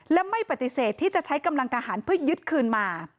และไม่ปฏิเสธที่จะใช้กำลังทหารเพื่อยึดคืนมา